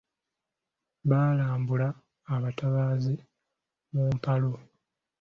Baalambula abatabaazi mu mpalo.